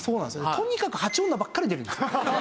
とにかく蜂女ばっかり出るんですよ。